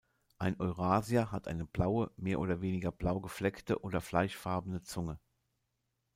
Ein Eurasier hat eine blaue, mehr oder weniger blau gefleckte oder fleischfarbene Zunge.